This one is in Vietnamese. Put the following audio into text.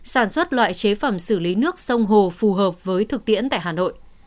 sản xuất loại chế phẩm xử lý nước sông hồ phù hợp với thực tiễn tại hà nội